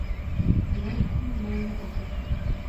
Уэшхым мэ иӏэкъым.